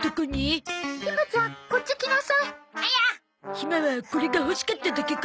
ひまはこれが欲しかっただけか。